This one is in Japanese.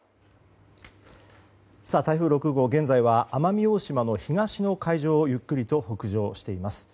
台風６号、現在は奄美大島の東の海上をゆっくりと北上しています。